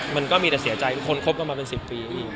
ผมก็มีแต่เสียใจคนครบกันมาหลายปุ่น